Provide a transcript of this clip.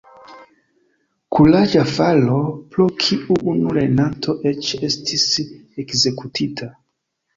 Kuraĝa faro, pro kiu unu lernanto eĉ estis ekzekutita.